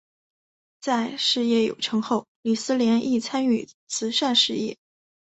在事业有成后李思廉亦参与慈善事业。